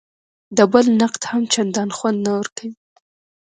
د بل نقد هم چندان خوند نه ورکوي.